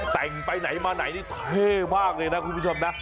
แต่งไปไหนมาไหนนี่เท่มากเลยนะคุณผู้ชมนะ